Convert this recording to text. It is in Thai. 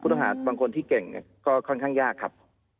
ต้องหาบางคนที่เก่งก็ค่อนข้างยากครับ